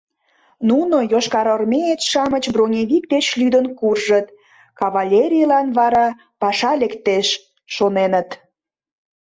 Нуно «йошкарармеец-шамыч броневик деч лӱдын куржыт, кавалерийлан вара паша лектеш!» шоненыт...